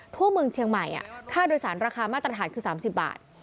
ทั่วเมืองเชียงใหม่ค่าโดยสารราคามาตรฐานคือ๓๐บาท